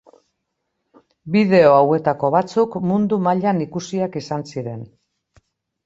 Bideo hauetako batzuk mundu mailan ikusiak izan ziren.